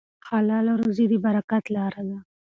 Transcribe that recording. حلاله روزي د برکت لاره ده.